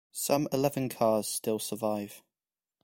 Some eleven cars still survive.